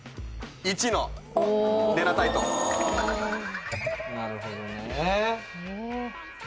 １のデナタイトなるほどね